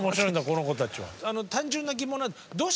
この子たちは。